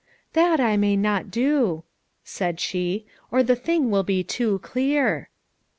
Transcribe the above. "That I may not do," said she, "or the thing will be too clear."